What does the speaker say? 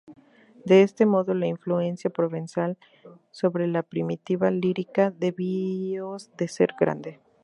De este modo, la influencia provenzal sobre la primitiva lírica debió de ser grande.